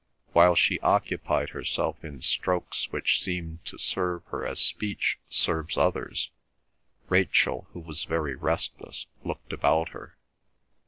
While she occupied herself in strokes which seemed to serve her as speech serves others, Rachel, who was very restless, looked about her.